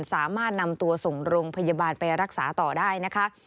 สามารถนำตัวส่งโรงพยาบาลไปรักษาต่อได้นะคะ